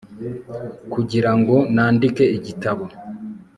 kugira ngo nandike igitabo